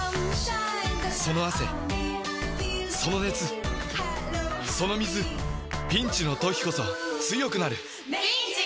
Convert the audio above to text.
その汗その熱その水ピンチの時こそ強くなる！